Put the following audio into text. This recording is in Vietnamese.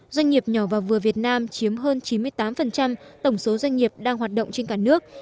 doanh nghiệp nhỏ và vừa việt nam chiếm hơn chín mươi tám tổng số doanh nghiệp đang hoạt động trên cả nước